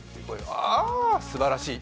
ああ、すばらしい。